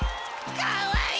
かわいい！